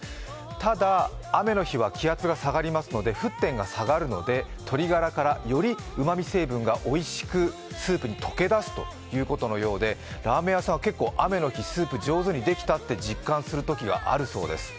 ただ雨の日は気圧が下がりますので沸点が下がるので、鶏ガラからよりうまみ成分がおいしくスープに溶け出すということのようで、ラーメン屋さんは結構雨の日、スープ上手にできたと実感するときがあるそうです。